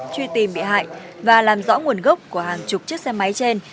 truy tìm bị hại và làm rõ nguồn gốc của hàng chục chiếc xe máy trên